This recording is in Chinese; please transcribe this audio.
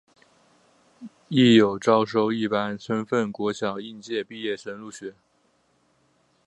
亦有招收一般身份国小应届毕业生入学。